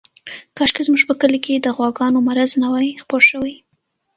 کاشکې زموږ په کلي کې د غواګانو مرض نه وای خپور شوی.